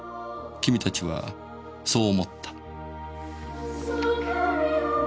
君たちはそう思った。